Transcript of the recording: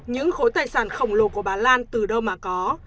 những khối tài sản khổng lồ của bà lan từ đâu mà có